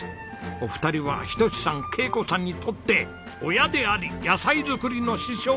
お二人は仁さん恵子さんにとって親であり野菜作りの師匠です。